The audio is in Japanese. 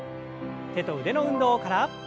手と腕の運動から。